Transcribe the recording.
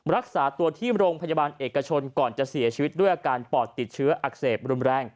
รักษาตัวที่โรงพยาบาลเอกชนก่อนจะเสียชีวิตด้วยอาการปอดติดเชื้ออักเสบรุนแรง